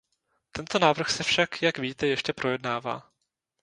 Tento návrh se však, jak víte, ještě projednává.